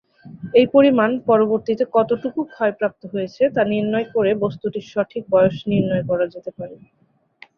এই পরিমাণ পরবর্তিতে কতটুকু ক্ষয়প্রাপ্ত হয়েছে, তা নির্ণয় করে বস্তুটির সঠিক বয়স নির্ণয় করা যেতে পারে।